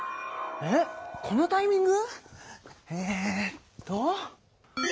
えっこのタイミング？